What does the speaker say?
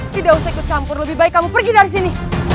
tidak usah ikut campur lebih baik kamu pergi dari sini